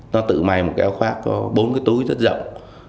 nó tự may một cái khoác có bốn cái túi rất rộng